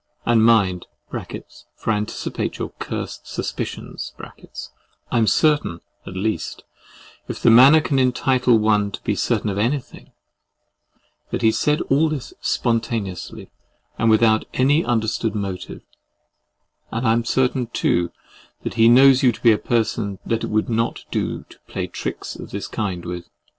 And mind (for I anticipate your cursed suspicions) I'm certain, at least, if manner can entitle one to be certain of any thing, that he said all this spontaneously, and without any understood motive; and I'm certain, too, that he knows you to be a person that it would not do to play any tricks of this kind with.